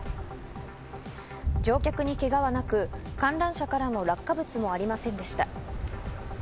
乗客にけがはなく、観覧車からの落下物もありませんでした。